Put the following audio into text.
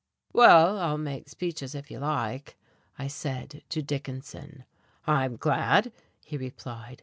"Well, I'll make speeches if you like," I said to Dickinson. "I'm glad," he replied.